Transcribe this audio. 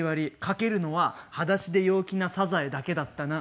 かけるのは裸足で陽気なサザエだけだったな。